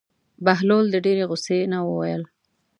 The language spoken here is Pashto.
بهلول د ډېرې غوسې نه وویل.